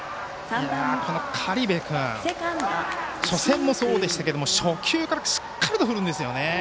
この苅部君初戦もそうでしたけれども初球からしっかり振るんです。